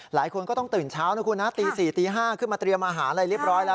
หลายคนก็ต้องตื่นเช้านะคุณนะตี๔ตี๕ขึ้นมาเตรียมอาหารอะไรเรียบร้อยแล้ว